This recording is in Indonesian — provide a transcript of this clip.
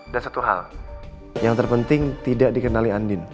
dan satu hal yang terpenting tidak dikenali andin